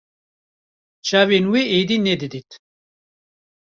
Çavên wê êdî nedîdît